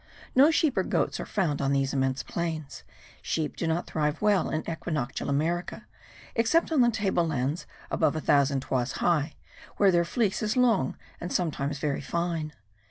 No sheep or goats are found on these immense plains. Sheep do not thrive well in equinoctial America, except on table lands above a thousand toises high, where their fleece is long and sometimes very fine.